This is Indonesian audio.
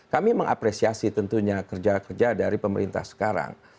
kami mengapresiasi tentunya kerja kerja dari pemerintah sekarang